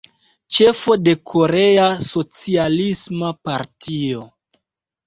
Ĉefo de Korea Socialisma Partio.